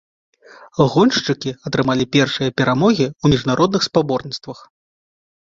Гоншчыкі атрымалі першыя перамогі ў міжнародных спаборніцтвах.